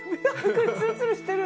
ツルツルしてる！